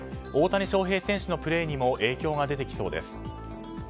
大谷翔平選手のプレーにも影響が出てきそうです。